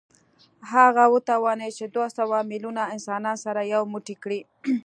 هغه وتوانېد چې دوه سوه میلیونه انسانان سره یو موټی کړي